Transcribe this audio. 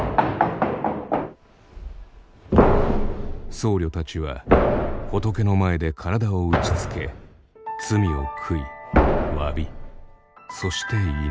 僧侶たちは仏の前で体を打ちつけ罪を悔い詫びそして祈る。